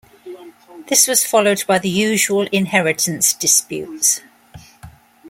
This was followed by the usual inheritance disputes.